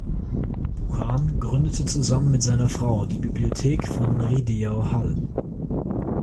Buchan gründete zusammen mit seiner Frau die Bibliothek von Rideau Hall.